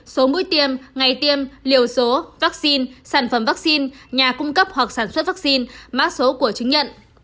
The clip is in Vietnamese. số mũi tiêm ngày tiêm liều số vaccine sản phẩm vaccine nhà cung cấp hoặc sản xuất vaccine mã số của chứng nhận